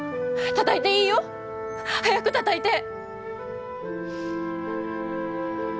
たたいていいよ！早くたたいて！